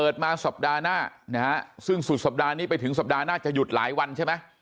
ได้สมาชิ่งสุดสัปดาห์นี้ไปถึงสอบดาน่าจะหยุดหลายวันใช่ไหม